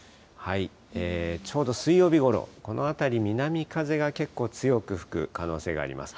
ちょうど水曜日ごろ、このあたり、南風が結構強く吹く可能性があります。